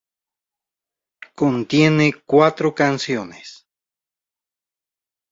Contiene cuatro canciones.